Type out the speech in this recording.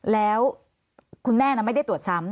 แล้วคุณแม่ไม่ได้ตรวจซ้ำ